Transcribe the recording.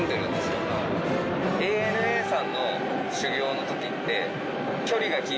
ＡＮＡさんの修行の時って。